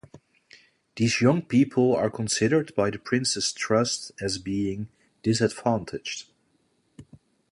These young people are considered by the Prince's Trust as being "disadvantaged".